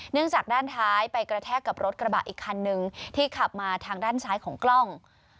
จากด้านท้ายไปกระแทกกับรถกระบะอีกคันนึงที่ขับมาทางด้านซ้ายของกล้อง